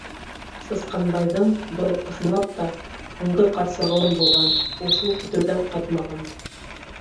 Сысҡанбайҙың был, ысынлап та, һуңғы ҡат сығыуы булған: ул шул китеүҙән ҡайтмаған.